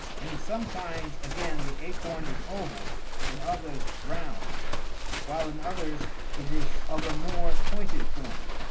In some kinds, again, the acorn is oval, in others round ; while in others it is of a more pointed form.